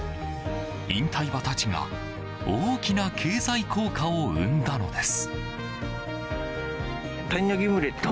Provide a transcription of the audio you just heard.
引退馬たちが大きな経済効果を生んだのです。